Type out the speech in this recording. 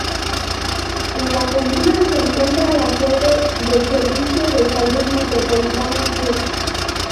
En la comuna se encuentra la sede del Servicio de Salud Metropolitano Sur.